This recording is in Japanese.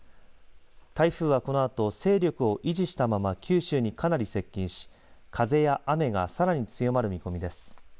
台風はこのあと勢力を維持したまま九州にかなり接近し風や雨がさらに強まる見込みです。